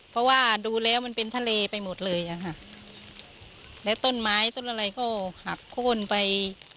เพราะว่าดูแล้วมันเป็นทะเลไปหมดเลยอ่ะค่ะแล้วต้นไม้ต้นอะไรก็หักโค้นไป